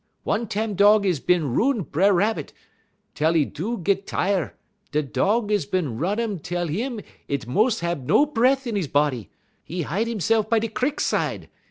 "One tam Dog is bin run B'er Rabbit, tel 'e do git tire; da' Dog is bin run 'im tel him ent mos' hab no bre't' in 'e body; 'e hide 'ese'f by de crik side.